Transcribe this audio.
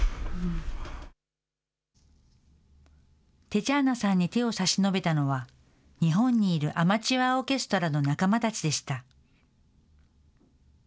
テチャーナさんに手を差し伸べたのは、日本にいるアマチュアオーケストラの仲間たちでした。